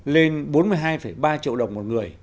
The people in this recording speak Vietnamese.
lên bốn mươi hai ba triệu đồng một người